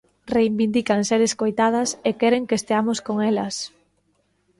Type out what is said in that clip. Reivindican ser escoitadas e queren que esteamos con elas.